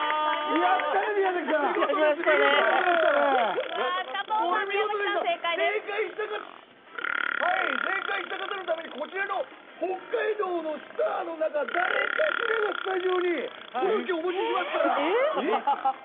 やったね、宮崎さん！はい、正解した方のためにこちらの北海道のスターの方、誰かしらがスタジオにコロッケをお持ちしますから。